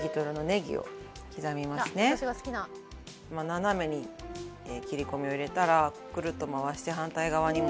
斜めに切り込みを入れたらクルッと回して反対側にも。